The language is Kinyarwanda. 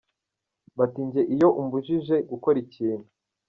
Bati njye iyo umbujije gukora ikintu